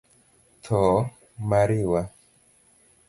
Tho mariwa;